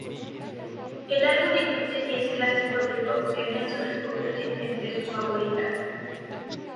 El álbum incluye diez clásicos del pop que Nelson escogió de entre sus favoritas.